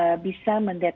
terima kasih pak menteri